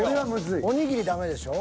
おにぎりダメでしょ？